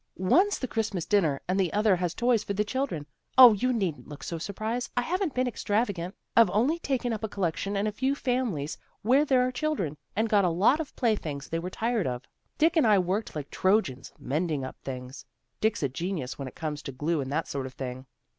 " One's the Christmas dinner. And the other has toys for the children. O, you needn't look so surprised. I haven't been extravagant. I've only taken up a collection in a few families where there are children, and got a lot of play things they were tired of. Dick and I worked like Trojans, mending up things. Dick's a genius when it comes to glue and that sort of thing."